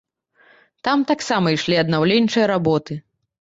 Там таксама ішлі аднаўленчыя работы.